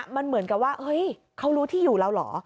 มันเหมือนกับว่าเฮ้ยเขารู้ที่อยู่เราเหรอ